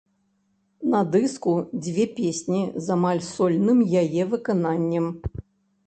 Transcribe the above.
На дыску дзве песні з амаль сольным яе выкананнем.